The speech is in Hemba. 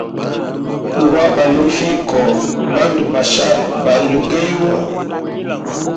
Lwa balufiya koho bandu ba shali balugeyuwa.